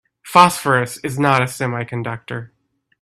Phosphorus is not a semiconductor.